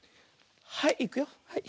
はいいくよ。